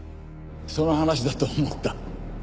その話だと思った。